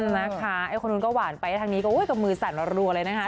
นะคะไอ้คนนู้นก็หวานไปทางนี้ก็มือสั่นรัวเลยนะคะ